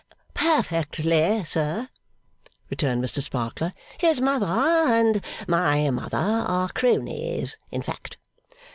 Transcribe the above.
'Perfectly, sir,' returned Mr Sparkler. 'His mother and my mother are cronies in fact.